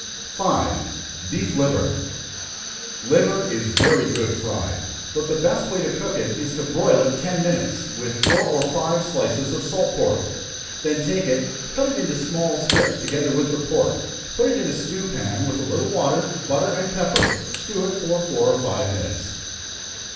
5. Beef Liver. Liver is very good fried, but the best way to cook it, is to broil it ten minutes, with four or five slices of salt pork. Then take it, cut it into small strips together with the pork, put it in a stew pan, with a little water, butter, and pepper. Stew it four or five minutes.